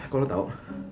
kok lo tau